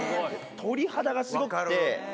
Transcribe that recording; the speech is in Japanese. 鳥肌がスゴくて。